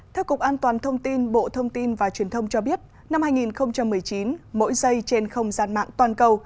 theo cục an toàn thông tin bộ thông tin và truyền thông cho biết năm hai nghìn một mươi chín mỗi giây trên không gian mạng toàn cầu